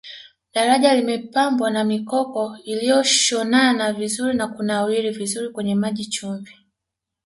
daraja limepambwa na mikoko iliyoshonana vizuri na kunawiri vizuri kwenye maji chumvi